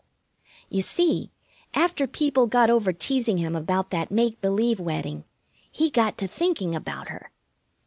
You see, after people got over teasing him about that make believe wedding, he got to thinking about her.